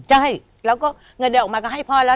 ใช่แล้วก็เงินเดือนออกมาก็ให้พ่อแล้ว